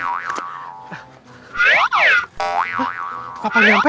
ustadz sebenarnya gimana